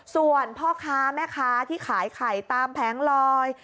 ส่วนพ่อค้าแม่ค้าที่ขายไข่ตามแผงลอย